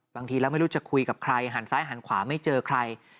บางทีแล้วไม่รู้จะคุยกับใครหันซ้ายหันขวาไม่เจอใคร